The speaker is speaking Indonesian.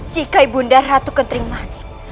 jika ibu nda ratu ketering mani